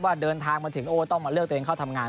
เดินทางมาถึงโอ้ต้องมาเลือกตัวเองเข้าทำงาน